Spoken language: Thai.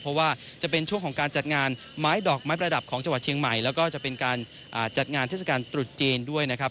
เพราะว่าจะเป็นช่วงของการจัดงานไม้ดอกไม้ประดับของจังหวัดเชียงใหม่แล้วก็จะเป็นการจัดงานเทศกาลตรุษจีนด้วยนะครับ